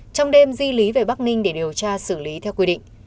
trong đêm di lý về bắc ninh để điều tra xử lý theo quy định